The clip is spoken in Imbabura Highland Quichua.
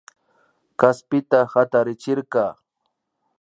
Kaspita hatarichirka